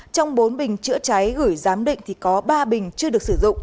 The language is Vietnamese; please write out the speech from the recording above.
trong bốn bình chữa cháy gửi giám định thì có ba bình chưa được sử dụng